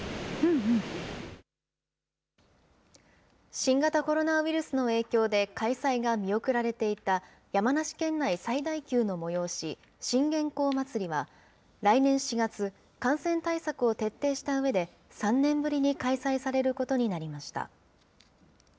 新型コロナウイルスの影響で、開催が見送られていた山梨県内最大級の催し、信玄公祭りは、来年４月、感染対策を徹底したうえで、３年ぶりに開催されることになりました。